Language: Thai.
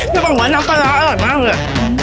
พี่บ่งว่าน้ำตาล้าอร่อยมากเลย